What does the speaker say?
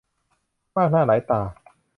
มากหน้าหลายตา